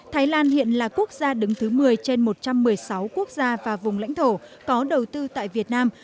thái lan hiện là quốc gia đứng thứ một mươi trên một trăm một mươi sáu quốc gia và vùng lãnh thổ có đầu tư tại việt nam